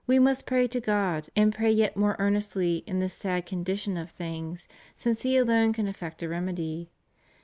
347 must pray to God, and pray yet more earnestly in this sad condition of things, since He alone can effect a remedy.